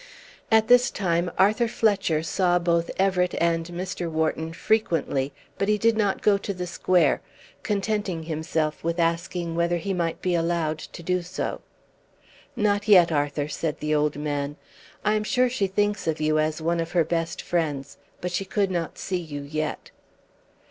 At this time Arthur Fletcher saw both Everett and Mr. Wharton frequently, but he did not go to the Square, contenting himself with asking whether he might be allowed to do so. "Not yet, Arthur," said the old man. "I am sure she thinks of you as one of her best friends, but she could not see you yet."